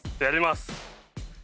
やります。